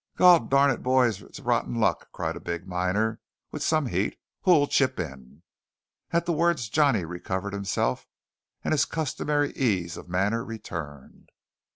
"Gol darn it, boys, it's rotten hard luck!" cried a big miner with some heat. "Who'll chip in?" At the words Johnny recovered himself, and his customary ease of manner returned.